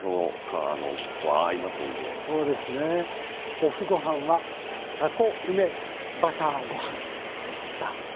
ＯＦＦごはんは「たこ梅バターご飯」でした。